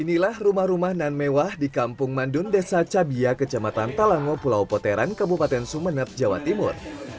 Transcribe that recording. inilah rumah rumah nan mewah di kampung mandun desa cabia kecamatan talango pulau poteran kabupaten sumeneb jawa timur